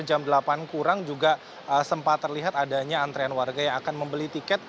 jam delapan kurang juga sempat terlihat adanya antrean warga yang akan membeli tiket